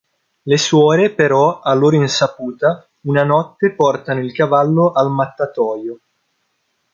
Le suore però, a loro insaputa, una notte portano il cavallo al mattatoio.